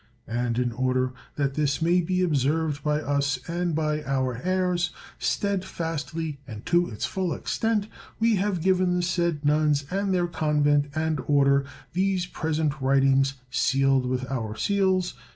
And in order that this may be observed by us, and by our heirs, steadfastly and to its full extent, we have given the said nuns and their convent and order these present writings, sealed with our seals.